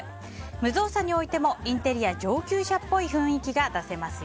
無造作に置いてもインテリア上級者っぽい雰囲気が出せますよ。